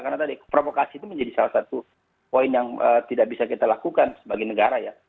karena tadi provokasi itu menjadi salah satu poin yang tidak bisa kita lakukan sebagai negara ya